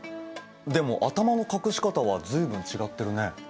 でも頭の隠し方は随分違ってるね。